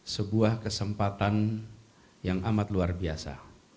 sebuah kesempatan yang amat luar biasa